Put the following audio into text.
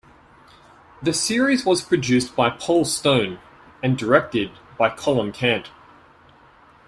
The series was produced by Paul Stone and directed by Colin Cant.